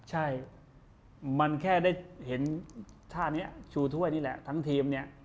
ใช่มันแค่ได้เห็นท่านี้ชูถ้วยนี่แหละทั้งทีมเนี่ย